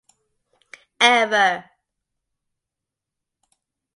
Ever.